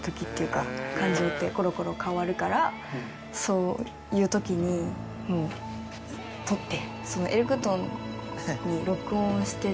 そういう時にもうとって。